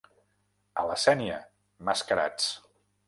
A la Sénia, mascarats.